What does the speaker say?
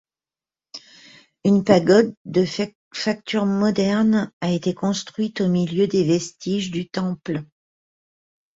Une pagode de facture moderne a été construite au milieu des vestiges du temple.